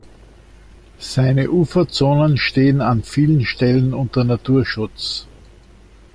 Seine Uferzonen stehen an vielen Stellen unter Naturschutz.